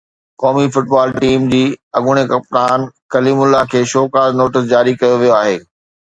قومي football team جي اڳوڻي ڪپتان ڪليم الله کي شوڪاز نوٽيس جاري ڪيو ويو آهي